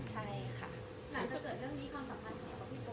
เหมือนกับเรื่องนี้ความสำคัญของพี่โก้